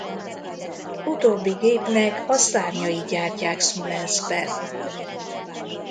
Utóbbi gépnek a szárnyait gyártják Szmolenszkben.